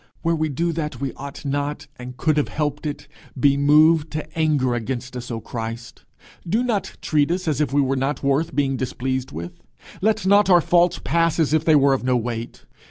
Where we do that we ought not, and could have helped it, be moved to anger against us, O Christ! do not treat us as if we were not worth being displeased with; let not our faults pass as if they were of no weight.